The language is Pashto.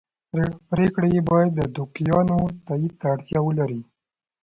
پرېکړې یې باید د دوکیانو تایید ته اړتیا ولري.